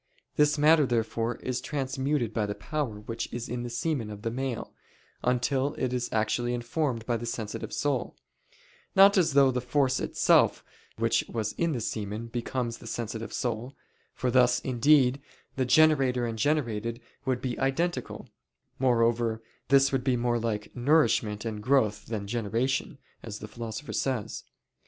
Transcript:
This matter therefore is transmuted by the power which is in the semen of the male, until it is actually informed by the sensitive soul; not as though the force itself which was in the semen becomes the sensitive soul; for thus, indeed, the generator and generated would be identical; moreover, this would be more like nourishment and growth than generation, as the Philosopher says.